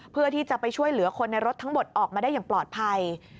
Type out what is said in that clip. เพื่อที่จะไปช่วยเหลือคนในรถทั้งหมดออกมาได้อย่างปลอดภัย